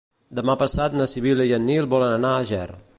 Demà passat na Sibil·la i en Nil volen anar a Ger.